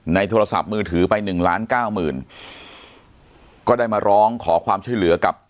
ในโทรศัพท์มือถือไป๑ล้าน๙๐๐๐๐ก็ได้มาร้องขอความช่วยเหลือกับ